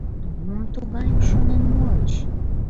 — Мом тугайым шонен муыч?